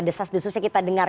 desas desusnya kita dengar